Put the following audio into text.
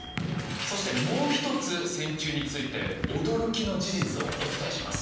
そしてもう一つ線虫について驚きの事実をお伝えします。